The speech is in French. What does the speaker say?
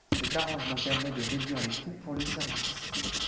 Cet arrangement permet de réduire les coûts pour le service.